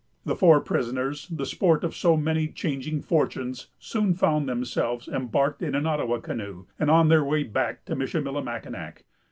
The four prisoners, the sport of so many changing fortunes, soon found themselves embarked in an Ottawa canoe, and on their way back to Michillimackinac.